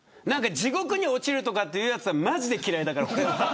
地獄に落ちるとかいうやつはマジで嫌いだから。